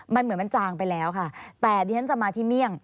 มันเหมือนมันจางไปแล้วค่ะแต่ดิฉันจะมาที่เมี่ยง